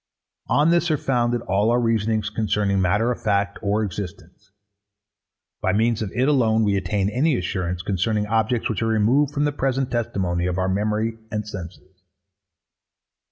On this are founded all our reasonings concerning matter of fact or existence. By means of it alone we attain any assurance concerning objects which are removed from the present testimony of our memory and senses.